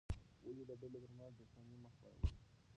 ولې د ډلو ترمنځ دښمني مه خپروې؟